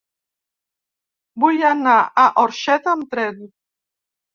Vull anar a Orxeta amb tren.